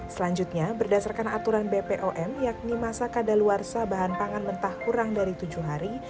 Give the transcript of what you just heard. selanjutnya berdasarkan aturan bpom yakni masak ada luar sah bahan pangan mentah kurang dari tujuh hari